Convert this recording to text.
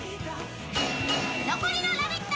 残りのラヴィット！